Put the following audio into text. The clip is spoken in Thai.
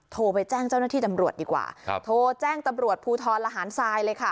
โทรไปแจ้งเจ้าหน้าที่ตำรวจดีกว่าครับโทรแจ้งตำรวจภูทรละหารทรายเลยค่ะ